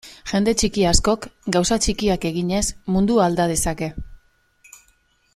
Jende txiki askok, gauza txikiak eginez, mundua alda dezake.